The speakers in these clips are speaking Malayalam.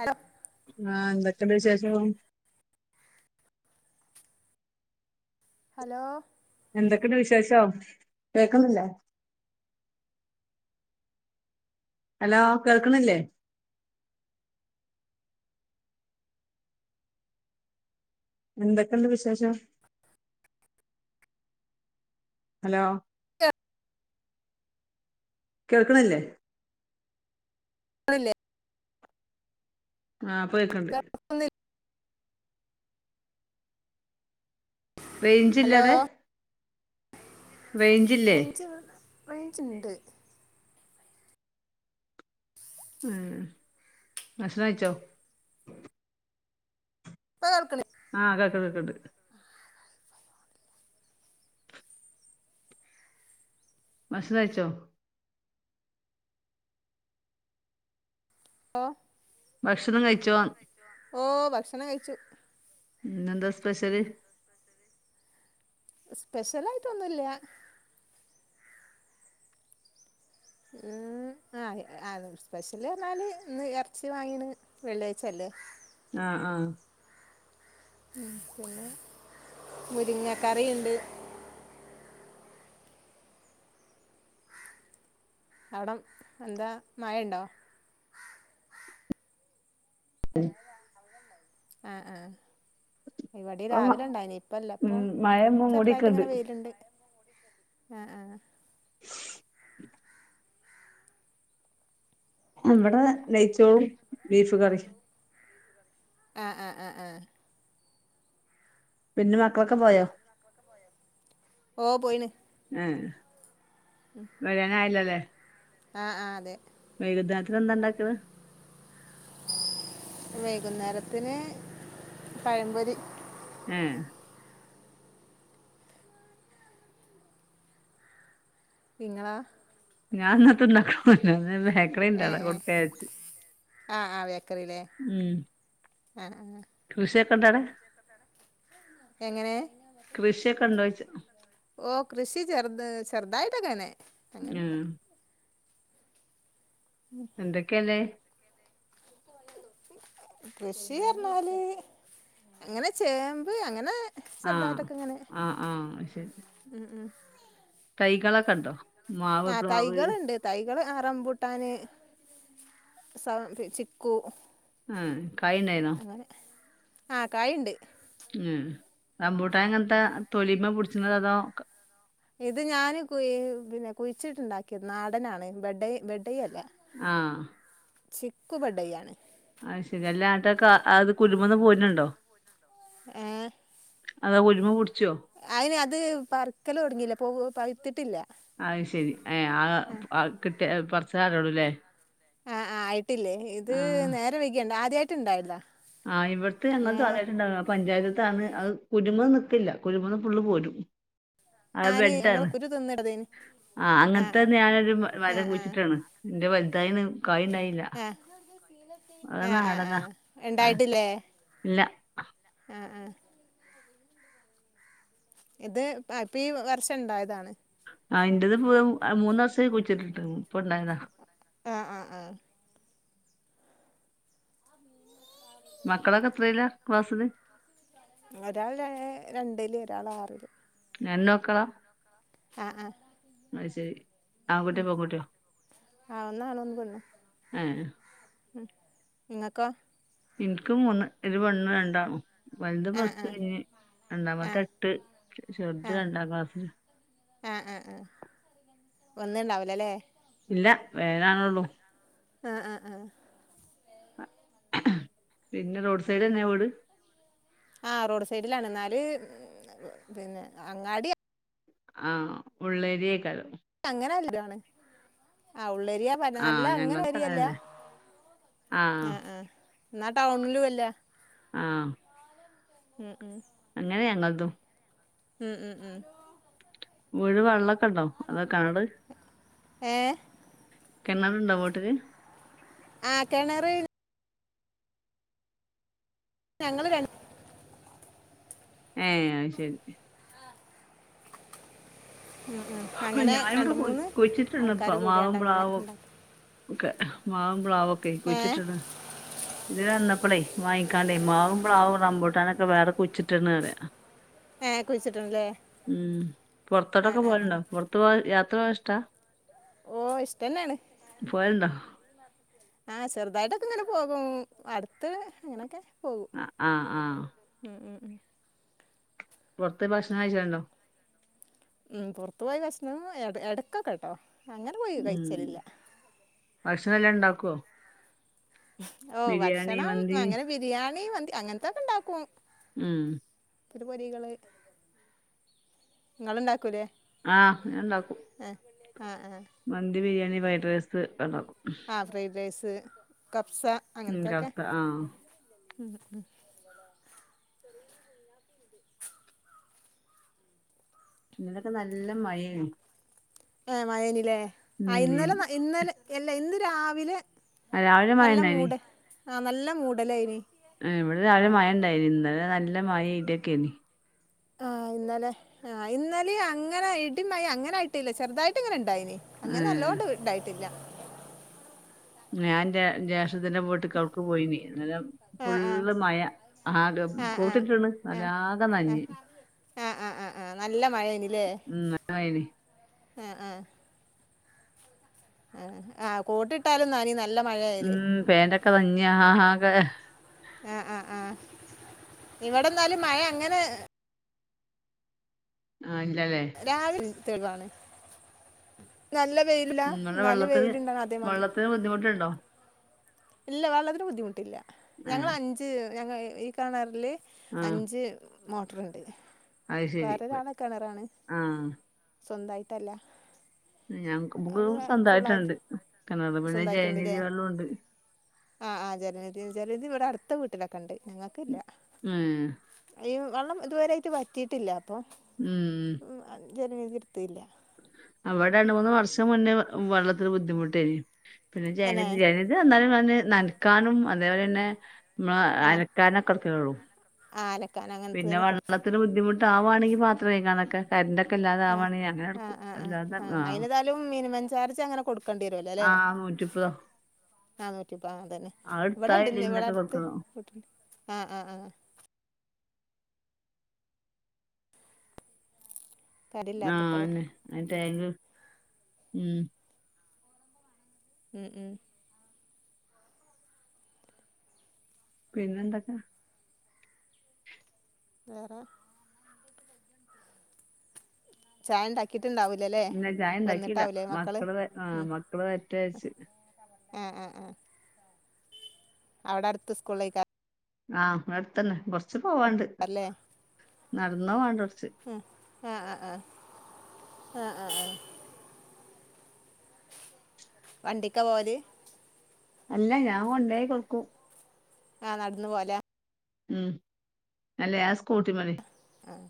ഹലോ ആഹ് എന്തൊക്കെണ്ട് വിശേഷം? ഹലോ എന്തൊക്കെണ്ട് വിശേഷം കേക്കുന്നില്ലേ. ഹലോ കേൾക്ക്ണില്ലേ എന്തൊക്കെണ്ട് വിശേഷം? ഹലോ കേൾക്ക്ണില്ലേ ക്ക്ണില്ലേ ആഹ് ഇപ്പം കേക്ക്ണ്ട്. കേൾക്കുന്നില്ലേ റെയ്ഞ്ച് ഇല്ലെ ഹലോ അടെ റെയ്ഞ്ച് റെയ്ഞ്ച് ഇണ്ട് ഏഹ് ഭക്ഷണം കഴിച്ചോ? ഇപ്പ കേൾക്ക്ണി ആഹ് കേക്ക കേക്ക്ണ്ട്. ഭക്ഷണം കഴിച്ചോ ഓ ഭക്ഷണം കഴിച്ചോന്ന്? ഓഹ് ഭക്ഷണം കഴിച്ചു. ഇന്നെന്താ സ്പെഷ്യല്? സ്പെഷ്യലായിട്ടൊന്നുല്ല. ഉം ആഹ് അതെ സ്പെഷ്യല് പറഞ്ഞാല് ഇന്ന് എറച്ചി വാങ്ങീണ് വെള്ളിയാഴ്ച്ച അല്ലെ ആഹ് ആഹ് പിന്നെ മുരിങ്ങക്കറി ഇണ്ട്. അവടെ എന്താ മഴണ്ടോ? [unintelligible] ആഹ് ആഹ് ഇവടിം ഇപ്പം രാവിലെ ഇണ്ടായിനി ഇപ്പല്ല ഉം ഇപ്പം മഴ ചെറുതായിട്ട് മൂടിക്ക്ണ്ട് ഇങ്ങനെ വെയില്ണ്ട്. ആഹ് ആഹ് ഇവടെ നെയ്ച്ചോറും ബീഫ് കറിം ആഹ് അഹ് അഹ് അഹ് പിന്നെ മക്കളൊക്കെ പോയോ ഓ പോയിണ് ഉം ഉം വരാനായല്ലോ ലെ ആഹ് ആഹ് അതെ വൈകുനേരത്ക്ക് എന്താ ഇണ്ടാക്ക്ണെ വൈകുന്നേരത്തിന് പഴംപൊരി ഏയ് നിങ്ങളോ ഞാൻ ഇന്നക്ക് ഇണ്ടാക്ണൊന്നുല്ല ഇന്ന് ബേക്കറി ഇണ്ട് അത് കൊടുക്ക വിചാരിച്ച്. ആഹ് ആഹ് ബേക്കറി ലെ ആഹ് ആഹ് കൃഷി ഒക്കെ ഇണ്ടോ അവടെ എങ്ങനെ കൃഷിയൊക്കെ ഉണ്ടോയിച്ച ഓ കൃഷി ചെറുത് ചെറുതായിട്ടൊക്കങ്ങനെ അങ്ങനെല്ല. ഉം ഉം എന്തക്കെ ഇല്ലേ കൃഷി പർഞ്ഞാല് അങ്ങന ചേമ്പ് അങ്ങനെ ആഹ് ചെർതായ്ട്ടൊക്കെ ഇങ്ങനെ ആഹ് ആഹ് ഉം ഉം തൈകളെക്കെണ്ടോ ആഹ് തൈകള്ണ്ട് തൈകള് ആഹ് റംമ്പുട്ടാന് സ പി ചിക്കു ഉം കായ്ണ്ടാര്ന്നോ അങ്ങനെ ആ കായ്ണ്ട് ഉം റംമ്പുട്ടാന് എങ്ങനെത്ത തൊലിമെ പുട്ച്ച്‌ണത അതോ ഇത് ഞാന് കുയ് പിന്ന കുയ്ച്ച്‌ട്ട്ണ്ടാക്കിയത് നാടനാണ് ബെഡൈ ബെഡൈ അല്ല ആഹ് ചിക്കു ബെഡൈയാണ് ആഹ് ശരി അല്ല ആട്ടക്ക അത് കുരുമ്മന്ന് പോര്നുണ്ടോ ഏഹ് അതൊ കുരുമ പുട്ച്ചൊ അയ്നത് പറിക്കല് തൊടങ്ങില്ല പോവ്വോ പഴ്ത്തട്ടില്ല അയ് ശരി ഏ അഹ് അ ഹ്കിട്ടിയ എ പർച്ചാല് അറിയൊള്ളുലേ ആഹ് അഹ് ആയ്ട്ടില്ലേ ഇത് ആഹ് നേര വൈകിയണ്ട ആദ്യട്ട് ഇണ്ടായത ആഹ് ഇവ്ട്ത്ത ഞങ്ങൾത് ആദ്യട്ട്ണ്ടാക പഞ്ചായത്ത്ത്താണ് അത് കുരുമ നിക്കില്ല കുരുമന്ന് ഫുള്ള് പോരും അത് ഞാന് ഞങ്ങൾ ബെഡാണ് കുരു തിന്ന്ടതെ ആഹ് അങ്ങൻത്തെന്നെ ഞാനൊര് മ ആ ആ മരം ആ കുഴ്ച്ച്‌ട്ട്ണ്. ഇന്റത് വല്തായിണ് കായ് ഇണ്ടായീല്ല. ഏഹ് ആഹ് ആഹ് അത് ഇണ്ടായ്ട്ടില്ലേ? ഇല്ല ആഹ് ആഹ്. ഇത് ആഹ് ഇപ്പീ വർഷം ഇണ്ടായതാണ്. ആഹ് ഇന്റതിപ്പം മൂന്ന് വർഷായി കുഴ്ച്ച്‌ട്ട്ണ്ട്. ഇപ്പണ്ടായതാ. ആഹ് ആഹ് ആഹ്. മക്കളൊക്കെ എത്രേലാ ക്ലാസ്സ്ല്? ഒരാൾ ലേ രണ്ട്ല് ഒരാൾ ആറ്ല്. രണ്ട് മക്കളാ? ആഹ് ആഹ്. അയ്ശരി. ആങ്കുട്ടിയോ പെങ്കുട്ടിയോ? ആ ഒന്നാണും ഏഹ്. ഉം ഇങ്ങക്കോ? ഇൻക്ക് മൂന്ന് ഒര് പെണ്ണ് രണ്ടാണും. വല്ത് ആ പ്ലസ് ആ ടു കയ്ഞ്ഞ്. ആ രണ്ടാമത്തത് ആ എട്ട്, ചെറ്ത് രണ്ടാം ക്ലാസ്സില്. ഏഹ് ഏഹ് ഏഹ് വന്ന്ണ്ടാവുല ല്ലേ. ഇല്ല വെരാനാണൊള്ളൂ. ആഹ് ആഹ് ആഹ്. പിന്നെ റോഡ് സൈഡെന്നെ വീട്? ആഹ് റോഡ് സൈഡ്ലാണ് ഇന്നാല് പിന്നെ അങ്ങാടി ആഹ് ഉള്ളേരിയെക്കാരം. അങ്ങനെ [unintelligible] ആഹ് ഉള്ളേരിയാ ന്ന് പർഞ്ഞാ നല്ല ആഹ് അങ്ങനെ ഞങ്ങൾതും ഏരിയല്ല. അങ്ങനെന്നെ ആഹ് ആഹ് ഇന്നാ ടൗൺലും അല്ല. ആഹ്. ഉം ഉം. അങ്ങനെ ഞങ്ങൾതും. ഉം ഉം ഉം. വീട്ട്ല് വെള്ളക്കെണ്ടോ? അതോ കെണറ് ഏഹ്? കിണറ്ണ്ടോ വീട്ടില്? ആഹ് കെണറ് ഞങ്ങള് രണ് ഏഹ് അഹ് ശെരി. ഉം ഉം അങ്ങനെ ഞാനിവിടെ രണ്ട് കുളി, മൂന്ന് കുയ്ച്ചിട്ട്ണ് ആൾക്കാര് ഇപ്പം മാവും കൂടിയാണ്ട് അങ്ങനെ പ്ലാവും ഉണ്ടാക്കും ഒക്കെ. മാവും പ്ലാവൊക്കെ ഏഹ് കുഴിച്ചിട്ട്ണ്. ഇതിലെ വന്നപ്പെളേ വാങ്ങിക്കാണ്ടേ മാവും പ്ലാവും റംബുട്ടാനൊക്കെ വേറെ കുയിച്ചിട്ട്ണ് പറയാ. ഏഹ് കുഴിച്ചിട്ടുണ്ടല്ലേ ഉം. ആഹ് പൊറത്തോട്ടൊക്കെ ആഹ് പോവല്ണ്ടോ? ആഹ് പൊറത്ത് പോവാൻ യാത്ര പോവാൻ ഇഷ്ടാ? ഓഹ് ഇഷ്ട്ടന്നേണ്. പോവലുണ്ടോ ആഹ് ചെറുതായിട്ടൊക്കെങ്ങനെ പോകും. അടുത്ത് അങ്ങനൊക്കെ പോകും. അഹ് ആഹ് ആഹ്. ഉം ഉം ഉം. പൊറത്ത് പോയി ഭക്ഷണം കയിച്ചെല്ണ്ടോ? ഉം പൊറത്ത് പോയി ഭക്ഷണം എട് എടക്കൊക്കെ ട്ടോ. അങ്ങനെ പോയി കഴിച്ചലില്ല. ഭക്ഷണം എല്ലാം ഇണ്ടാക്കോ? ഓഹ് ഭക്ഷണം മന്തി അങ്ങനെ ബിരിയാണി, മന്തി അങ്ങനത്തൊക്കെ ഇണ്ടാക്കും. ഉം ത്തിരി പൊരികള് ഇങ്ങള് ണ്ടാക്കൂലേ. ആഹ് ഞാൻ ഉണ്ടാക്കും ആഹ് ആഹ് ആഹ് മന്തി ബിരിയാണി ഫ്രൈഡ് റൈസ് ക്കെണ്ടാക്കും. ആ ഫ്രൈഡ് റൈസ് കഫ്സ ഉം അങ്ങനത്തൊക്കെ- കഫ്സ ആഹ് ഇന്നലൊക്ക നല്ല മഴെയ്നി. ഏഹ് മഴെയ്നിലേ ഉം ആഹ് ഇന്നല ഇത്- ഇന്നലെ എല്ല ഇന്ന് രാവിലെ ആ, രാവിലെ മഴ നല്ല ഉണ്ടായിനി മൂട് ആഹ് നല്ല മൂടലായ്നി. ഏഹ് ഇവിടെ രാവിലെ മയെ ണ്ടായ്നി ഇന്നലെ നല്ല മയേ ഇടിയക്കേയ്നി. ആഹ് ഇന്നലെ ആഹ് ഇന്നലേം അങ്ങന ഇടിമയ അങ്ങനെ ആയിട്ടില്ല ചെറുതായിട്ട്ങ്ങനെ ണ്ടായീനി. ഏഹ് അങ്ങനല്ലോണ്ട് ണ്ടായിട്ടില്ല. ഞാന്റെ ജേഷ്ടത്തിന്റെ വീട്ടിക്ക് ഔട്ക്ക് പോയിനി ന്നലെ- ആ ആ ഫുള്ള് മയ ആത് ആഹ് കോട്ട്ട്ട്ണ്ണ് ആഹ് ആഹ് വല്ലാത ആഹ് നനഞ്ഞ്. ആഹ് ആഹ് ആഹ് [inaudible] ആഹ് നല്ല മഴേനില്ലേ. ഉം നല്ല മഴേനി ആഹ് ആഹ് ആഹ് ആഹ് കോട്ടിട്ടാലും നനീം നല്ല മഴയായാല്. പാന്റൊക്കെ നഞ്ഞ് ആകെ ആഹ് ആഹ് ആഹ് ഇവിടെന്നാലും മഴ അങ്ങനെ ആഹ് ഇല്ലല്ലെ രാവിലെ തെളിവാണ് നല്ല വെയിലില്ലാ ന്നാല് വെയില്ണ്ട് അതേമാതി. ന്തേലും ബുദ്ധിമുട്ടുണ്ടൊ? ല്ല. വെള്ളത്തിന് ബുദ്ധിമുട്ടില്ല ഞങ്ങള് ഏഹ് അഞ്ച് ഞങ്ങ ഈ കാണുന്ന കെണറ്റില് ആഹ് അഞ്ച് മോട്ടറൊണ്ട് അത് ശരി വേറൊരാളെ കെണറാണ് ആഹ് - സ്വന്തായിട്ടല്ല. ഞമുക്ക് അത് ഫുള്ളും ഫുള്ളായിട്ട് സ്വന്തായിട്ടുണ്ട് കെണറ് പിന്നെ ജലനിതി സ്വന്തായിട്ടുണ്ട്ല്ലേ വെള്ളോണ്ട്. ആഹ് ആഹ് ജലനിധി ജലനിധി ഇവിട അടുത്ത വീട്ടിലൊക്കെണ്ട് ഞങ്ങക്കില്ല. ഏഹ് അയ്യോ വെള്ളം ഇതുവരായിറ്റ് വറ്റിയിട്ടില്ല അപ്പൊ ഉം ഉം അത് ജലനിധി എടുത്തില്ല. അവ്ടെ രണ്ട് മൂന്ന് വർഷം മുന്നെ വെള്ളത്തിന് ബുദ്ധിമുട്ടേനീ പിന്നെ ജന അനെ ജന ഇത് എന്നാലും പിന്നെ നനക്കാനും അതേപോലെ ന്നെ മ്മള് അല ആഹ് ക്കാനൊക്കെടുക്കയുള്ളൂ. ആഹ് അലക്കാനങ്ങ പിന്നെ വെള്ളത്തിന് ബുദ്ധിമുട്ടാ വുവാണെങ്കി പാത്രംകഴ്കാ നൊക്കെ ആഹ് ആഹ് ആഹ് ആഹ് ആഹ് അയിനെതാലും മിനിമം ചാർജ് അങ്ങനെ കൊടു ക്കണ്ടിവരോല അല്ലെ ആഹ് നൂറ്റിമുപ്പതോ നാനൂറ്റിപ്പത് ആഹ് അതന്നെ അത് എടുത്താ ഇവിടണ്ട് ഇന്ന് ഇല്ലെങ്കിലൊക്കെ ഇവളടുത്ത് കൊടുക്കണം വീട്ടില് ആഹ് ആഹ് ആഹ് ആഹ് കരയില്ലാത്തപ്പോൾ അന്നെ താങ്ക്യൂ ഉം ഉം ഉം പിന്നെന്തൊക്കെ വേറെ ചായണ്ടാക്കീട്ടുണ്ടാവൂലല്ലേ ഇല്ല ചായ ഉണ്ടാക്കിയില്ല വന്നിട്ടാവൂലേ മക്കള് വ- ആ ഉം മക്കള് ഉം വരട്ടെച്ച് ഉം ഉം അവ്ട അടുത്ത് സ്കൂളിലേക്കാ - ആഹ് വ്‌ടഅടുത്തന്നെ കൊറച്ച് പോവാണ്ട് അല്ലേ നടന്ന് പോവാണ്ട് കൊറച്ച് ഉം ആഹ് ആഹ് ആഹ് ആഹ് ആഹ് ആഹ് വണ്ടിക്ക പോവല്? അല്ല ഞാ കൊണ്ടൊയി കൊട്ക്കും. ആഹ് നട്ന്ന് പോലാ? ഉം അല്ല ഞാ സ്കൂട്ടിമല്. ആഹ്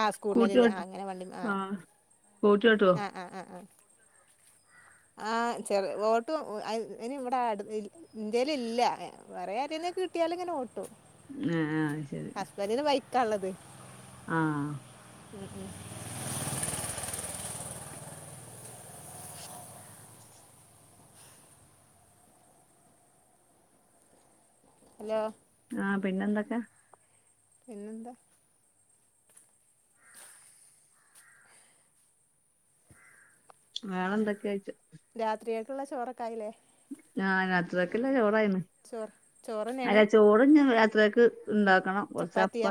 ആഹ് സ്‌കൂട്ടിമല് സ്കൂട്ടി ല്ലേ ആഹ് ഓട്ടും അങ്ങനെ വണ്ടിമ ആഹ് സ്കൂട്ടി ഓട്ടുവോ ആഹ് ആഹ് ആഹ് ആഹ് ആഹ് ചെറ് ഓട്ടും അത് അയ്ന് വടാട് അയ്ല് ഇൻ്റെലില്ല എഹ് വേറെ ആരേന്നെ കിട്ട്യാല് ങ്ങനെ ഓട്ടും. ആഹ് ആഹ് അയ് ശെരി. പെരേല് ബൈക്കാള്ളത്. ആഹ് ഉം ഉം ഹലോ ആഹ് പിന്നെന്തെക്കെ? പിന്നെന്താ? വേറെന്തെക്കെച്ച. രാത്രികക്ക്ള്ള ചോറൊക്കായില്ലേ? ആഹ് രാത്രികക്ക്ള്ളെ ചോറായിണ്. ചോറ് ചോറ് അല്ല തന്നെയാണ് ചോറ്ഞ്ഞ് രാത്രേക്ക് ഇണ്ടാക്കണം. കൊറച്ചപ്പ ചപ്പാത്തിയാ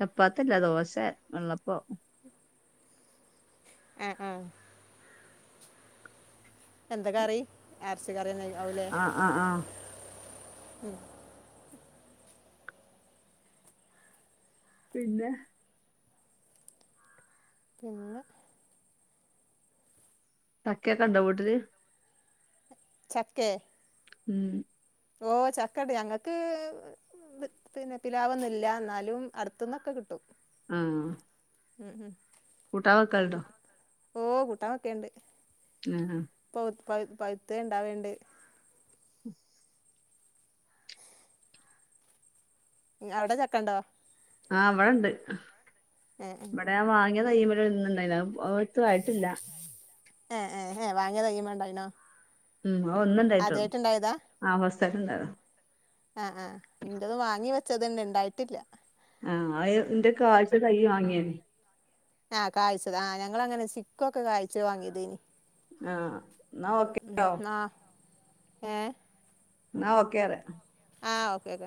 ചപ്പാത്ത്യല്ല ദോശെ വെള്ളപ്പോ ആഹ് ആഹ് എന്ത കറി? എർച്ചി കറ്യെന്നെയ് ആവുലേ. ആഹ് ആഹ് ഉം പിന്നെ പിന്നെ ചക്കെക്കെണ്ടോ വീട്ട്ല്? ചക്കേ ഉം ഓഹ് ചക്കണ്ട് ഞങ്ങക്ക് [unintelligible] പിന്നെ പിലാവൊന്നുല്ല ന്നാലും അട്ത്ത്ന്നൊക്കെ കിട്ടും. ആഹ് ഉം ഉം കൂട്ടാ വെക്കൽണ്ടോ? ഓഹ് കൂട്ടാ വെക്കെണ്ട്. ഉം ഉം പൊവ് പഴ് പഴ്ത്തെണ്ടാവേണ്ട്. ഉം അവടെ ചക്കണ്ടോ? ആഹ് ഇവടെണ്ട് ഏ ഇവടെ ഞാ വാങ്ങ്യെ തയ്യ്മ്മല് ഒന്ന്ണ്ടായിണ് അത് [unintelligible] ത്ത്വായിട്ടില്ല. ഏഹ് ഏഹ് എഹ് വാങ്ങ്യെ തയ്യ്മ്മേ ണ്ടായ്ണോ? ഉം അത് ഒന്ന് ണ്ടായിട്ടൊള്ളൂ ആഹ് ഫസ്റ്റായിട്ട്ണ്ടായതാ. ആഹ് ആഹ് ഇന്റെത് വാങ്ങി വെച്ചതെന്നെ ണ്ടായിട്ടില്ല. ആഹ് അത് ഇന്റെ കായ്ച്ച തയ്യ് വാങ്ങ്യേനി. ആഹ് കായ്ച്ചത് ആ ഞങ്ങളങ്ങനെ ചിക്കൊക്കെ കായ്ച്ചത് വാങ്ങിയതെനീ ആഹ് ഇന്നാ ഓക്കെ ന്നാ ഏഹ് എന്നാ ഒക്കെറിയാ ആഹ് ഓക്കെക്കെ